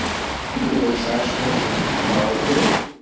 Yuba yesɛa cwiṭ lḥeqq, neɣ uhu?